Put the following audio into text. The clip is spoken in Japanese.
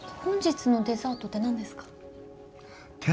「本日のデザート」って何ですか？